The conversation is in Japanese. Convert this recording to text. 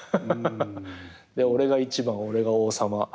俺が１番俺が王様。